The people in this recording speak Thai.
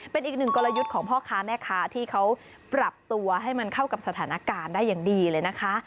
เป็นอีกหนึ่งกลยุทธ์ของพ่อค้าแม่ค้าที่เขาปรับตัวให้มันเข้ากับสถานการณ์ได้อย่างดีเลยนะคะ